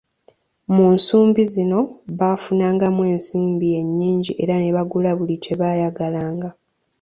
Mu nsumbi zino baafunangamu ensimbi nnyingi era ne bagula buli kyebayagalanga.